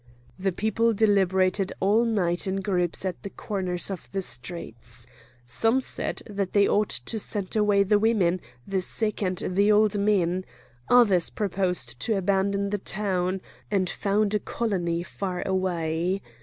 The people deliberated all night in groups at the corners of the streets. Some said that they ought to send away the women, the sick, and the old men; others proposed to abandon the town, and found a colony far away.